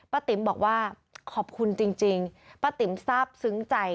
ติ๋มบอกว่าขอบคุณจริงป้าติ๋มทราบซึ้งใจ